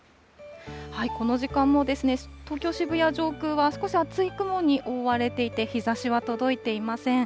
この時間もですね、東京・渋谷上空は、少し厚い雲に覆われていて、日ざしは届いていません。